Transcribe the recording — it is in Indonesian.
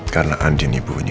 karena andin ibunya